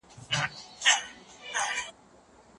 ثنا ویلي وو چې نوم یې بدل کړ.